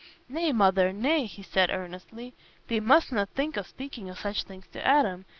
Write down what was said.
"Nay, Mother, nay," he said, earnestly, "thee mustna think o' speaking o' such things to Adam.